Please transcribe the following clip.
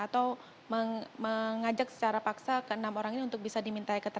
atau mengajak secara paksa ke enam orang ini untuk bisa diminta keterangan